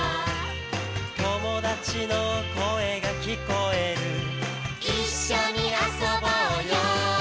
「友達の声が聞こえる」「一緒に遊ぼうよ」